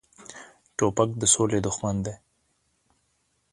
توپک د سولې دښمن دی.